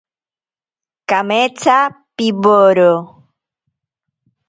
Kametsa piworo.